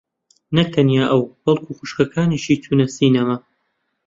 نەک تەنیا ئەو بەڵکوو خوشکەکانیشی چوونە سینەما.